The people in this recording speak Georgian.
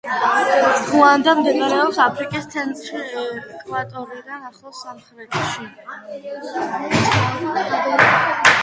რუანდა მდებარეობს აფრიკის ცენტრში, ეკვატორიდან ახლოს სამხრეთში.